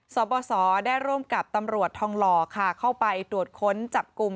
สบสได้ร่วมกับตำรวจทองหล่อค่ะเข้าไปตรวจค้นจับกลุ่ม